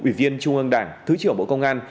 ủy viên trung ương đảng thứ trưởng bộ công an